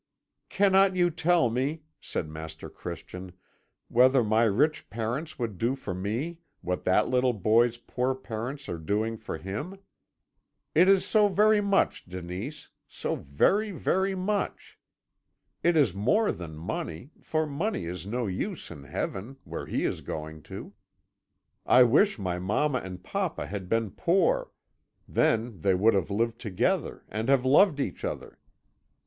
"'Cannot you tell me,' said Master Christian, 'whether my rich parents would do for me what that little boy's poor parents are doing for him? It is so very much, Denise so very, very much! It is more than money, for money is no use in Heaven, where he is going to. I wish my mamma and papa had been poor; then they would have lived together and have loved each other.